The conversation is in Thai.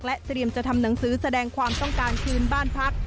เตรียมจะทำหนังสือแสดงความต้องการคืนบ้านพัก